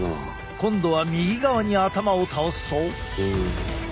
今度は右側に頭を倒すと。